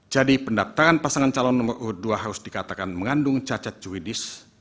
jadi pendaftaran pasangan calon nomor urut dua harus dikatakan mengandung cacat juridis